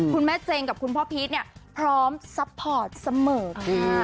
คุณแม่เจงกับคุณพ่อพีชเนี่ยพร้อมซัพพอร์ตเสมอค่ะ